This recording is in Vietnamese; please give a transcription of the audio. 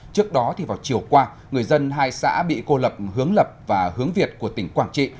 trước đó vào chiều qua người dân hai xã bị cô lập hướng lập và hướng việt của tỉnh quảng trị